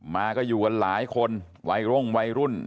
มาก็อยู่กันหลายคนวัยร่งวัยรุ่น